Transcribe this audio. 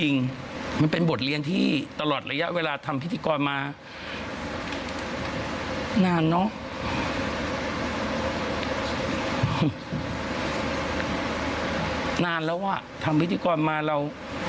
นานแล้วอ่ะทำพิธีกรมาเรา